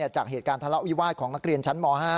จากเหตุการณ์ทะเลาะวิวาสของนักเรียนชั้นม๕